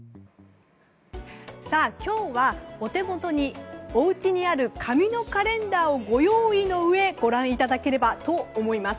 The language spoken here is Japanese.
今日はお手元におうちにある紙のカレンダーをご用意のうえご覧いただければと思います。